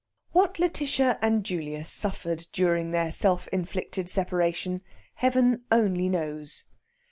What Lætitia and Julius suffered during their self inflicted separation, Heaven only knows!